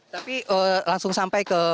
tapi langsung sampai ke